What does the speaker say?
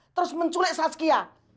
terus menculik saskia